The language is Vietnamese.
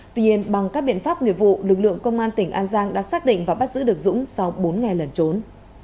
tuy nhiên bằng các biện pháp nghiệp vụ lực lượng công an tỉnh an giang đã xác định và bắt giữ được dũng sau bốn ngày lẩn trốn